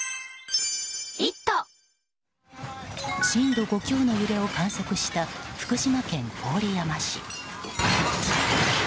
震度５強の揺れを観測した福島県郡山市。